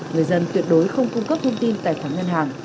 người dân tuyệt đối không cung cấp thông tin tài khoản ngân hàng